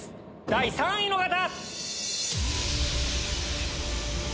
第３位の方！